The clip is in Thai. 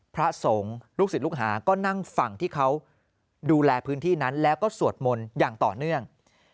พระสงฆ์ลูกศิษย์ลูกหาก็นั่งฝั่งที่เขาดูแลพื้นที่นั้นแล้วก็สวดมนต์อย่างต่อเนื่อง